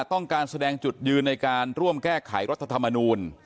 ต้องการแสดงจุดยืนในการร่วมแก้ไขรัฐธรรมนูล